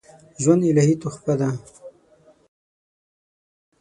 ژوند الهي تحفه ده